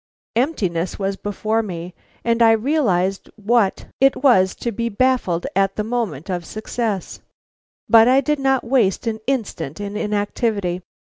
Emptiness was before me, and I realized what it was to be baffled at the moment of success. But I did not waste an instant in inactivity.